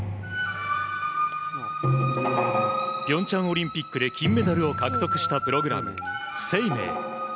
平昌オリンピックで金メダルを獲得したプログラム「ＳＥＩＭＥＩ」。